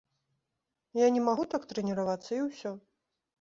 Я не магу так трэніравацца і ўсё.